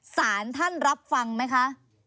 สารท่านรับฟังไหมคะ